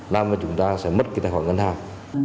làm cho chúng ta sẽ mất cái tài khoản ngân hàng